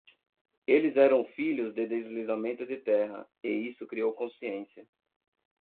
Eles eram filhos de deslizamento de terra, e isso criou consciência.